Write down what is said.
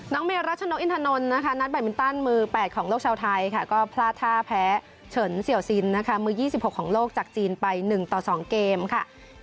เมรัชนกอินทนนท์นะคะนัดแบตมินตันมือ๘ของโลกชาวไทยค่ะก็พลาดท่าแพ้เฉินเสี่ยวซินนะคะมือ๒๖ของโลกจากจีนไป๑ต่อ๒เกมค่ะ